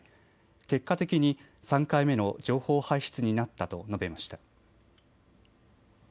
結果的に３回目の情報発出になったと述べました。